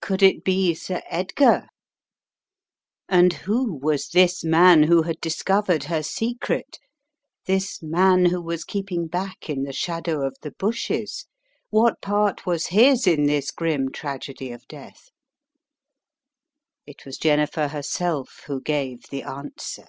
Could it be Sir Edgar? And who was CCf Tis a Med World, My Masters 99 253 this man who had discovered her secret, this man who was keeping back in the shadow of the bushes? What part was his in this grim tragedy of death? It was Jennifer herself who gave the answer.